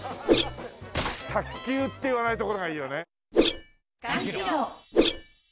卓球って言わないところがいいよね。